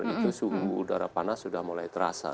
itu suhu udara panas sudah mulai terasa